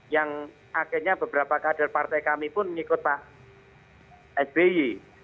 yang akhirnya beberapa kader partai kami pun mengikut pak sby